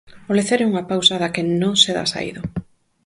O lecer é unha pausa da que non se dá saído.